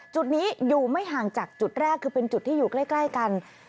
จุดนี้อยู่ไม่ห่างจากจุดแรกคือเป็นจุดที่อยู่ใกล้กัน